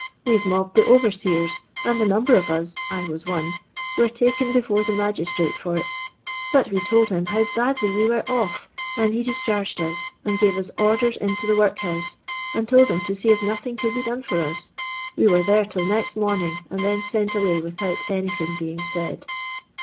We 're mobbed the OTorseers^ and a number of us, I was one, were taken belore the magistrate for it ; but we told him how badly we were off, and he discharged n% and gare us orders into the workhouse, and told 'em to see if nothing could be done for us. We were there till next mornings and then sent away without anything being said.